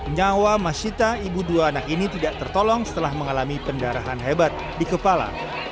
nyawa masyita ibu dua anak ini tidak tertolong setelah mengalami pendarahan hebat di kepala